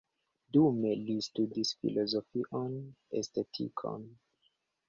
Dume li studis filozofion, estetikon.